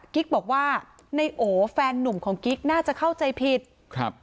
กิ๊กบอกว่าในโอแฟนนุ่มของกิ๊กน่าจะเข้าใจผิดครับ